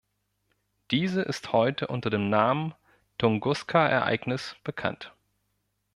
Diese ist heute unter dem Namen Tunguska-Ereignis bekannt.